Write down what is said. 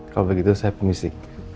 kalau begitu saya permisi